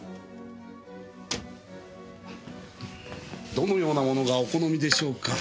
どのようなものがお好みでしょうか？